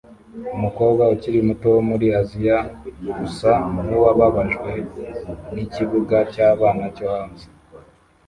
Umukobwa ukiri muto wo muri Aziya usa nkuwababajwe nikibuga cyabana cyo hanze